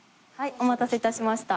お待たせ致しました。